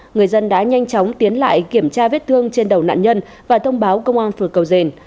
người dân đã nhanh chóng tiến lại kiểm tra vết thương trên đầu nạn nhân và thông báo công an phường cầu dền